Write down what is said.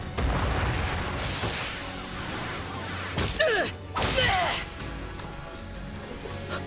うっ！！